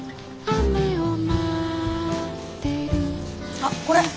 あっこれ。